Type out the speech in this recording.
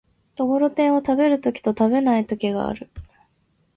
ところてんを食べる時と食べない時がある。